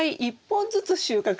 １本ずつ収穫。